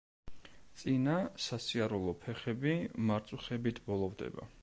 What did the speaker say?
წინა, სასიარულო ფეხები მარწუხებით ბოლოვდება.